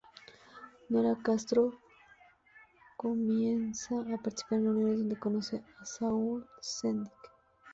Nora Castro comienza a participar de reuniones, donde conoce a Raúl Sendic.